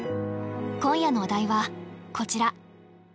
今夜のお題はこちら。